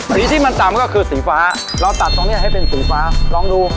สีที่มันต่ำก็คือสีฟ้าเราตัดตรงนี้ให้เป็นสีฟ้าลองดู